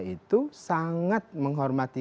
itu sangat menghormati